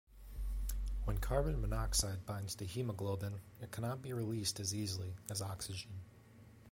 When carbon monoxide binds to hemoglobin, it cannot be released as easily as oxygen.